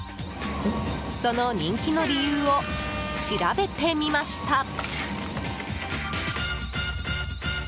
その人気の理由を調べてみました。